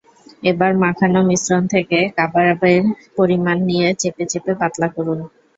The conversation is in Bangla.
এবার মাখানো মিশ্রণ থেকে কাবাবের পরিমাণ নিয়ে চেপে চেপে পাতলা করুন।